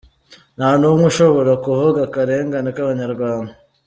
Nta n’umwe ushobora kuvuga akarengane k’abanyarwanda.